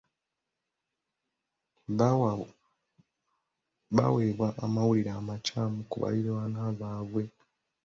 Baaweebwa amawulire amakyamu ku baliraanwa baabwe.